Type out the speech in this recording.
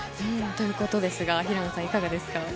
ということですが平野さん、いかがでしょう。